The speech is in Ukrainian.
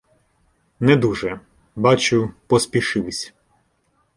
Не дуже, бачу, поспішивсь.